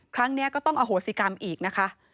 ครั้งนี้ก็ต้องอโหสิกรรมอีกนะคะ